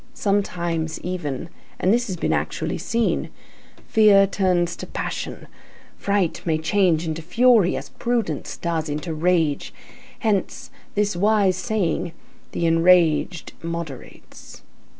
Sometimes, even, and this has been actually seen, fear turns to passion; fright may change into fury, as prudence does into rage; hence this wise saying: "The enraged moderates."